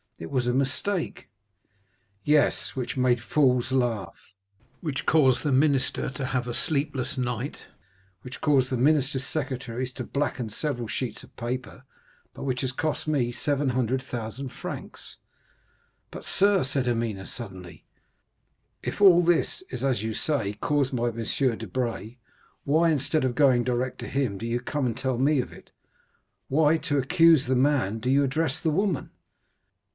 It was a mistake." "Yes, which made fools laugh, which caused the minister to have a sleepless night, which has caused the minister's secretaries to blacken several sheets of paper, but which has cost me 700,000 francs." "But, sir," said Hermine suddenly, "if all this is, as you say, caused by M. Debray, why, instead of going direct to him, do you come and tell me of it? Why, to accuse the man, do you address the woman?"